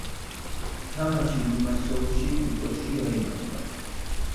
თამაში ლიმასოლში, კვიპროსში გაიმართა.